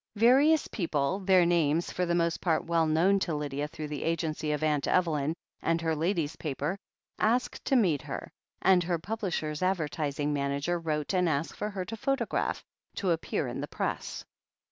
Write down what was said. Various people, their names for the most part well known to Lydia through the agency of Aunt Evel3m and her ladies' paper, asked to meet her, and her pub lisher's advertising manager wrote and asked for her photograph, to appear in the Press.